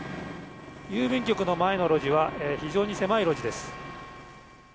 郵便局の前の路地は非常に狭い路地です。